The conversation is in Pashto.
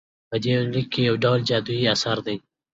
په دې يونليک کې يوډول جادويي اثر دى